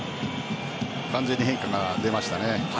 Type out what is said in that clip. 完全に変化が出ましたね。